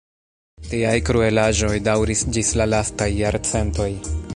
Tiaj kruelaĵoj daŭris ĝis la lastaj jarcentoj.